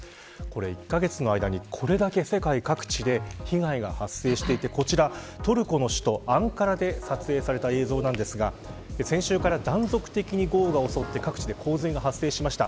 １カ月の間にこれだけ世界各地で被害が発生していてこちらトルコの首都アンカラで撮影された映像なんですが先週から断続的に豪雨が襲って各地で洪水が発生しました。